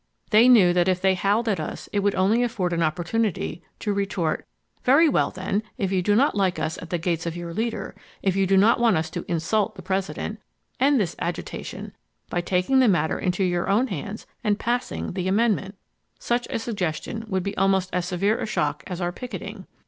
They knew that if they howled at us it would only afford an opportunity to retort—"Very well then, if you do not like us at the gates of your leader; if you do not want us to 'insult' the President, end this agitation by taking the matter into your own hands and passing the amendment." Such a sug gestion would be almost as severe a shock as our picketing.